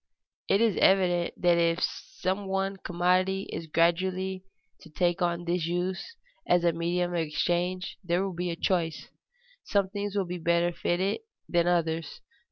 _ It is evident that if some one commodity is gradually to take on this use as a medium of exchange there will be a choice; some things will be better fitted than others.